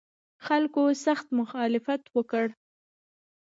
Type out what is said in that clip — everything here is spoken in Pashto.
خلکو سخت مخالفت وکړ.